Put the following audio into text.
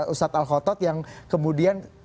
ustadz al khotot yang kemudian